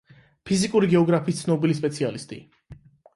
ფიზიკური გეოგრაფიის ცნობილი სპეციალისტი.